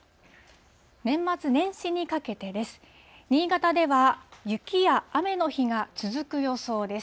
年末年始にかけてです。